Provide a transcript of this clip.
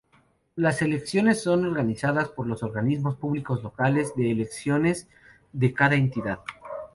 Las elecciones son organizadas por los Organismos Públicos Locales de Elecciones de cada entidad.